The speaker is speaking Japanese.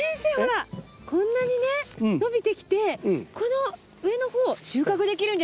こんなにね伸びてきてこの上の方収穫できるんじゃないですか？